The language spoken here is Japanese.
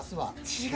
違う。